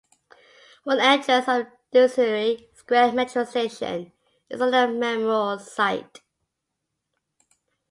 One entrance of the Judiciary Square Metro station is on the memorial site.